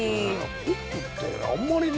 ホップってあんまりね。